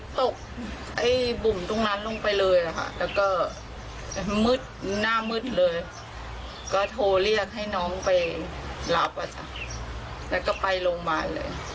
รับอะจ๊ะแล้วก็ไปโรงพยาบาลเลย